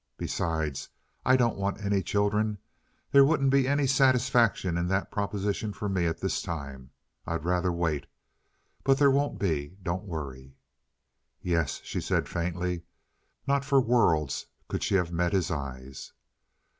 Besides, I don't want any children. There wouldn't be any satisfaction in that proposition for me at this time. I'd rather wait. But there won't be—don't worry." "Yes," she said faintly. Not for worlds could she have met his eyes.